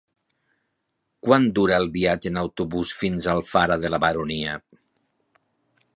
Quant dura el viatge en autobús fins a Alfara de la Baronia?